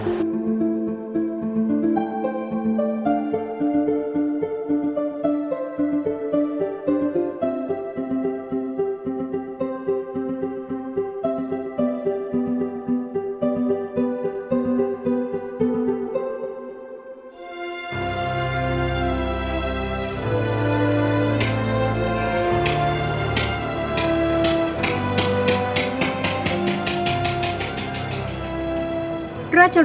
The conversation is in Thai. อัศวินคฤติราชรสปืนใหญ่